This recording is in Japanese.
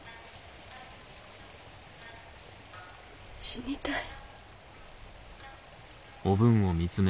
死にたい。